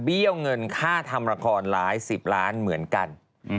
ี้ยวเงินค่าทำละครหลายสิบล้านเหมือนกัน